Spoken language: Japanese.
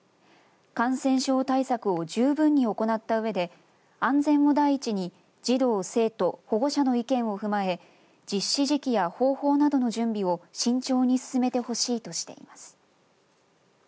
感染症対策を十分に行ったうえで安全を第一に児童・生徒、保護者の意見を踏まえ実施時期や方法などの準備を慎重に進めてほしいとしています。